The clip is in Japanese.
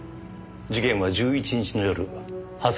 事件は１１日の夜蓮沼署